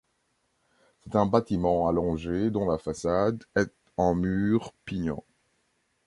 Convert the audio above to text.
C'est un bâtiment allongé, dont la façade est en mur pignon.